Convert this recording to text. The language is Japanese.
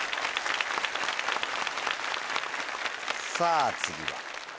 さぁ次は。